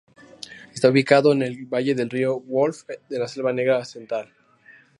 Está ubicado en el valle del río Wolf, en la Selva Negra Central.